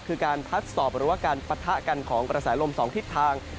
คือการพัดสอบหรือว่าการปะทะกันของกระแสลม๒ทิศทาง